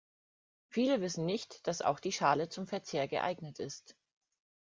Viele wissen nicht, dass auch die Schale zum Verzehr geeignet ist.